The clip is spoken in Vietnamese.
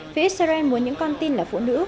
vì israel muốn những con tin là phụ nữ